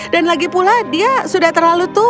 dan lagi pula dia sudah terlalu tua